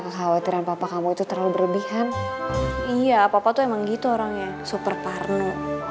kekhawatiran papa kamu itu terlalu berlebihan iya apa apa tuh emang gitu orangnya super parno